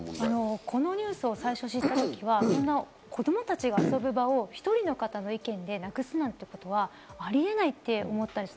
このニュースを最初知った時は子供たちが遊ぶ場を１人の方の意見でなくすなんてことは、ありえないって思ったんです。